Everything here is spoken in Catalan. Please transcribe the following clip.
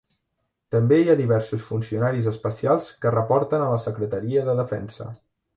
També hi ha diversos funcionaris especials que reporten a la secretaria de defensa.